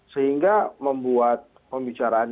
sehingga membuat pembicaraannya